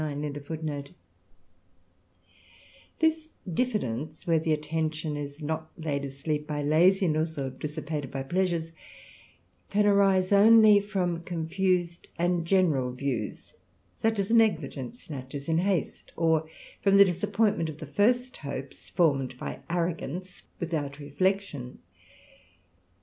vlnere the attention is not laid asleep by laziness, or dissipated by pleasures, can arise only from confused and ^^neral views, such as negligence snatches in haste, or from disappointment of the first hopes formed by arrogance ^thout reflection.